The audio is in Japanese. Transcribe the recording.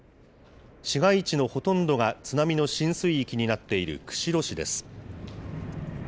市街地のほとんどが津波の浸水域になっている釧路市です。